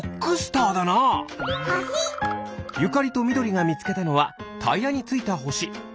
ゆかりとみどりがみつけたのはタイヤについたほし。